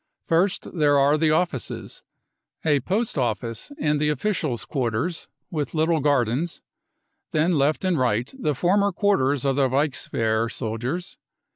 First there are the offices, a post office and the officials' quarters with little gardens, then left and right the former quarters of the Reichswehr soldiers.